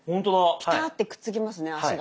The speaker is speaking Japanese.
ピタってくっつきますね足が。